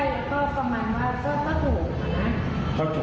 มันเป็นแบบว่าถ้าเป็นตอนวันมันจะสวยมากเลยนะ